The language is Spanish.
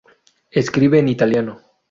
Escribe en italiano.